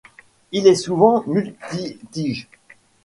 Il est souvent multitige.